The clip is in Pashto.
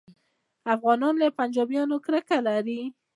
افغانان له پنجابیانو کرکه لري